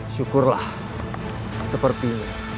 syukurlah seperti ini